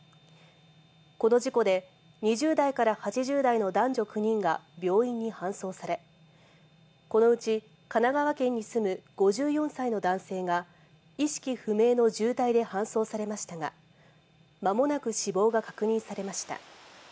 この事故で２０代から８０代の男女９人が病院に搬送され、このうち神奈川県に住む５４歳の男性が、意識不明の重体で搬送されましたが、まもなく死亡が確認されました。